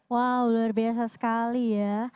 wow luar biasa sekali ya